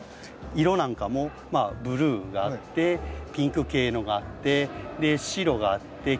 色なんかもブルーがあってピンク系のがあって白があって黄色があって。